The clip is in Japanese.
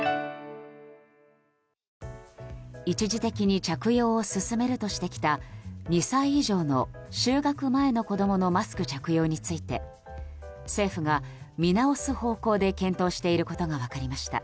一時的に着用を勧めるとしてきた２歳以上の就学前の子供へのマスク着用について政府が見直す方向で検討していることが分かりました。